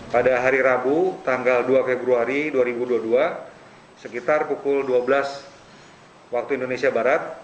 pada hari rabu tanggal dua februari dua ribu dua puluh dua sekitar pukul dua belas waktu indonesia barat